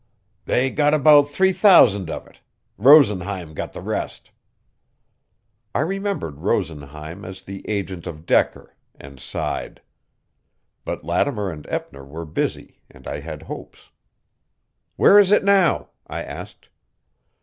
"They got about three thousand of it. Rosenheim got the rest." I remembered Rosenheim as the agent of Decker, and sighed. But Lattimer and Eppner were busy, and I had hopes. "Where is it now?" I asked.